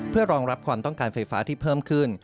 เพื่อรองรับความต้องการไฟฟ้าที่เพิ่มขึ้น